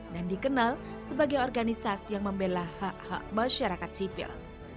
dan dikenal sebagai organisasi yang membela hak hak masyarakat sipil